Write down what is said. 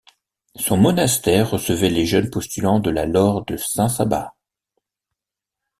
Son monastère recevait les jeunes postulants de la laure de Saint-Sabas.